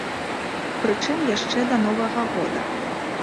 Прычым яшчэ да новага года.